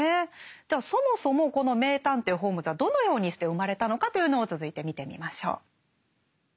ではそもそもこの名探偵ホームズはどのようにして生まれたのかというのを続いて見てみましょう。